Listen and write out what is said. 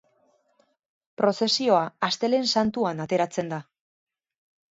Prozesioa Astelehen Santuan ateratzen da.